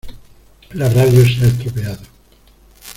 La radio se ha estropeado.